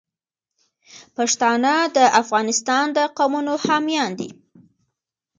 پښتانه د افغانستان د قومونو حامیان دي.